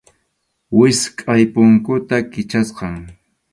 Wichqʼay punkuta Kichasqam.